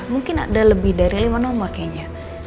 mungkin ada lebih dari lima nama kayaknya